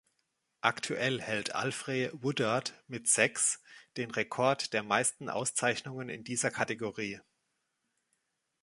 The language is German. Aktuell hält Alfre Woodard mit sechs den Rekord der meisten Auszeichnungen in dieser Kategorie.